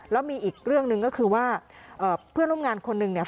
แล้วมีอีกเรื่องหนึ่งก็คือว่าเพื่อนร่วมงานคนหนึ่งเนี่ย